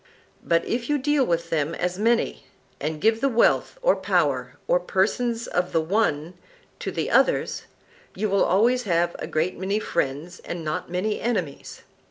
But if you deal with them as many, and give the wealth or power or persons of the one to the others, you will always have a great many friends and not many enemies.